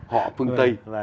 họ phương tây